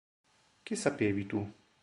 Che sapevi tu?